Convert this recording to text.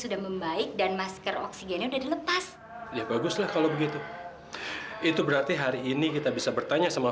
udah meninggal seminggu yang lalu